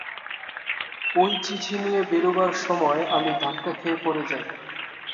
ঐ চিঠি নিয়ে বেরুবার সময় আমি ধাক্কা খেয়ে পড়ে যাই।